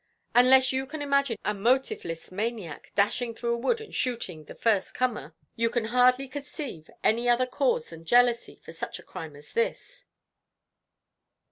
Unless you can imagine a motiveless maniac dashing through a wood and shooting the first comer, you can hardly conceive any other cause than jealousy for such a crime as this."